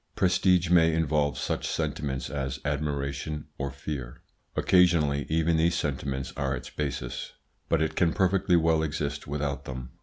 Prestige may involve such sentiments as admiration or fear. Occasionally even these sentiments are its basis, but it can perfectly well exist without them.